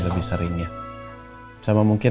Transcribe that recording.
lebih seringnya sama mungkin